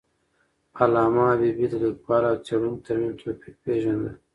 علامه حبيبي د لیکوال او څیړونکي تر منځ توپیر پېژنده.